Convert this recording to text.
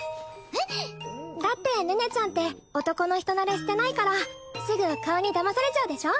えっ？だって寧々ちゃんって男の人慣れしてないからすぐ顔にだまされちゃうでしょ